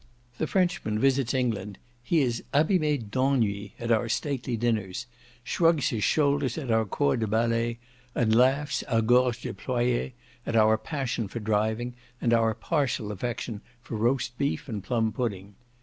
The Frenchman visits England; he is abimé d'ennui at our stately dinners; shrugs his shoulders at our corps de ballet, and laughs à gorge déployée at our passion for driving, and our partial affection for roast beef and plum pudding.